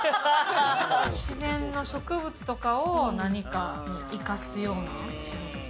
自然の植物とかを何かに生かすような仕事？